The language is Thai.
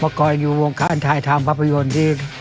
เมื่อก่อนอยู่วงคันถ่ายทำภาพยนตร์ที่